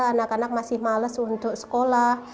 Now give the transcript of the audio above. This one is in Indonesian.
anak anak masih males untuk sekolah